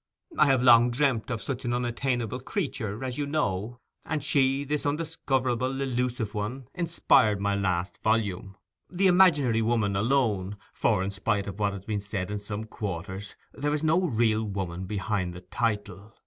I have long dreamt of such an unattainable creature, as you know, and she, this undiscoverable, elusive one, inspired my last volume; the imaginary woman alone, for, in spite of what has been said in some quarters, there is no real woman behind the title.